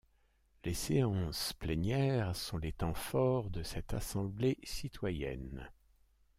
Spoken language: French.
Les séances plénières sont les temps forts de cette assemblée citoyenne.